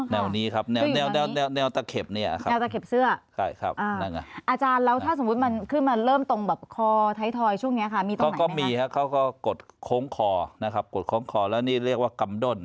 แล้วเขาก็กดโค้งคอนะครับกดโค้งคอแล้วนี่เรียกว่ากำด้น